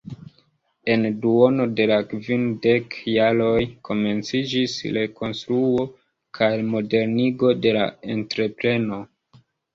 En duono de la kvindekaj jaroj komenciĝis rekonstruo kaj modernigo de la entrepreno.